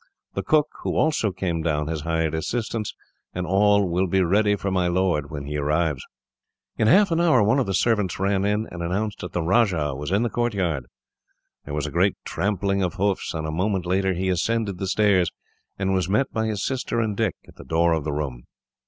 The cook, who also came down, has hired assistants, and all will be ready for my lord, when he arrives." In half an hour, one of the servants ran in, and announced that the Rajah was in the courtyard. There was a great trampling of hoofs, and a minute later he ascended the stairs, and was met by his sister and Dick at the door of the room.